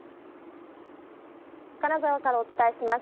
金沢からお伝えします。